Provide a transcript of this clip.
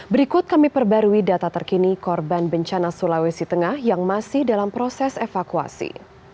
berikut kami perbarui data terkini korban bencana sulawesi tengah yang masih dalam proses evakuasi